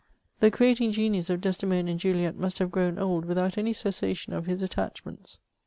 The creating genius of Desde mona and Juliet must have grown old without any cessation of his attachments.